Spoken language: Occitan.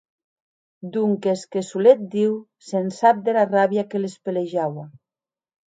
Donques que solet Diu se’n sap dera ràbia que les pelejaua.